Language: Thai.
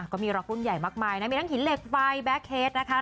ก็มีร็อกรุ่นใหญ่มากมายนะมีทั้งหินเหล็กไฟแบ็คเคสนะคะ